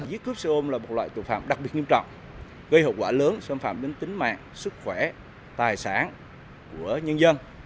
giết cướp xe ôm là một loại tội phạm đặc biệt nghiêm trọng gây hậu quả lớn xâm phạm đến tính mạng sức khỏe tài sản của nhân dân